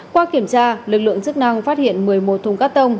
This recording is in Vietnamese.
qua kiểm tra lực lượng chức năng phát hiện một mươi một thùng cắt tông